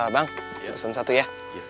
pengurusan satu ya